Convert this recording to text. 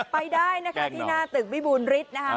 ไปได้นะคะที่หน้าตึกวิบูรณฤทธิ์นะคะ